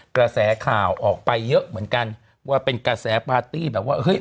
กระแสข่าวออกไปเยอะเหมือนกันว่าเป็นกระแสปาร์ตี้แบบว่าเฮ้ย